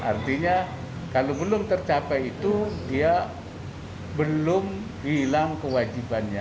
artinya kalau belum tercapai itu dia belum hilang kewajibannya